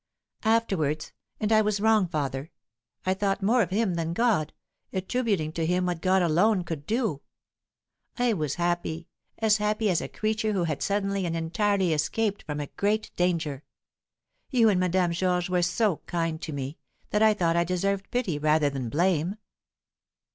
Afterwards and I was wrong, father I thought more of him than God, attributing to him what God alone could do. I was happy as happy as a creature who had suddenly and entirely escaped from a great danger. You and Madame Georges were so kind to me, that I thought I deserved pity rather than blame."